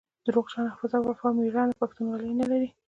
دروغجن حافظه وفا ميړانه پښتونولي نلري